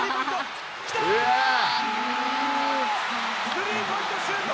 スリーポイントシュート。